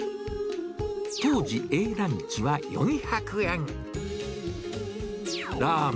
当時、Ａランチは４００円。